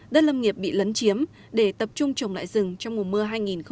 đất lâm nghiệp bị lấn chiếm để tập trung trồng lại rừng trong mùa mưa hai nghìn hai mươi